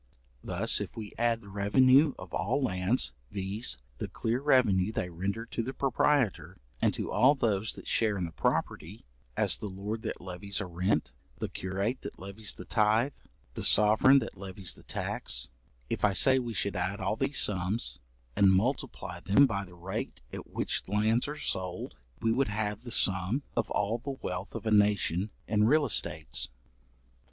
Thus if we add the revenue of all lands, viz. the clear revenue they render to the proprietor, and to all those that share in the property, as the lord that levies a rent, the curate that levies the tythe, the sovereign that levies the tax; if say I, we should add all these sums, and multiply them by the rate at which lands are sold, we would have the sum of all the wealth of a nation in real estates.